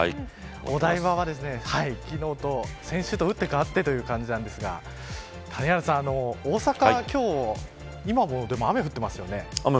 お台場は先週と打って変わってということなんですが谷原さん、大阪は今日雨、降ってますよ。